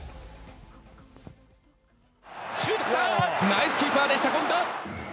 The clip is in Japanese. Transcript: ナイスキーパーでした、権田。